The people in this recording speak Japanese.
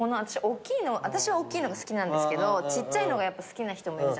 私は大きいのが好きなんですけどちっちゃいのがやっぱ好きな人もいるじゃないですか。